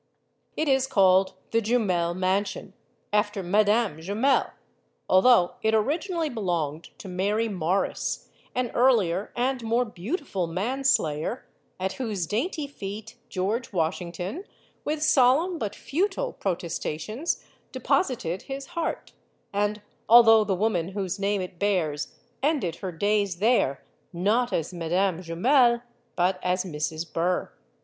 It is called the Jumel mansion, after Madame Jumel, although it originally belonged to Mary Morris, an earlier and more beautiful man slayer, at whose dainty feet George Washington, with solemn, but futile, pro testations, deposited his heart ; and although the woman whose name it bears ended her days there, not as Madame Jumel, but as Mrs. Burr.